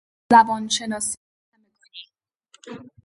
زبان شناسی همگانی